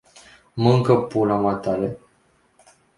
Mânca pula matale